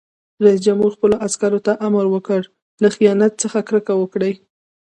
رئیس جمهور خپلو عسکرو ته امر وکړ؛ له خیانت څخه کرکه وکړئ!